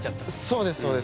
そうですそうです。